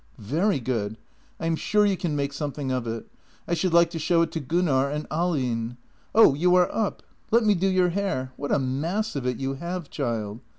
"" Very good. I am sure you can make something of it. I should like to show it to Gunnar and Ahlin. Oh, you are up ! Let me do your hair. What a mass of it you have, child.